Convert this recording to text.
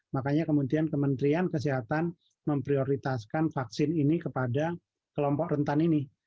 makanya kemudian kementerian kesehatan memprioritaskan vaksin ini kepada kelompok rentan ini